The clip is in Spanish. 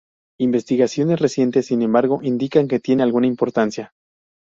Investigaciones recientes, sin embargo, indican que tiene alguna importancia.